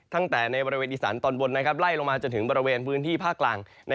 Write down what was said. ตั้งแต่ในบริเวณอีสานตอนบนไล่ลงมาจนถึงบริเวณพื้นที่ภาคกลาง